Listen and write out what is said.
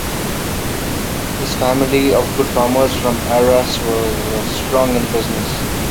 His family of good farmers from Arras was strong in business.